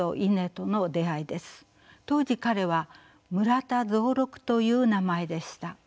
当時彼は「村田蔵六」という名前でした。